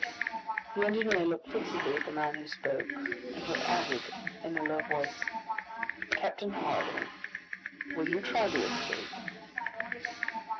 The engineer looked fixedly at the man who spoke, and who added, in a low voice, "Captain Harding, will you try to escape?"